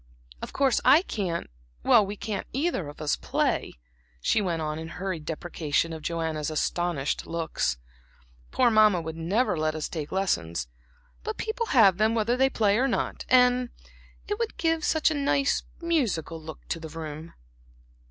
Of course I can't we can't either of us play," she went on in hurried deprecation of Joanna's astonished looks, "poor Mamma would never let us take lessons; but people have them whether they play or not, and it would give such a nice, musical look to the room."